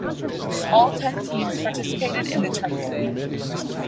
All ten teams participated in the tournament.